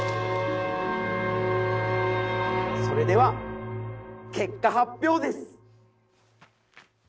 それでは結果発表です。